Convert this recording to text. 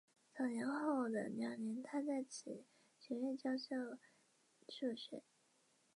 杨锡宗是岭南乃至中国近代最早接受建筑学专业教育和最早回国服务的建筑师之一。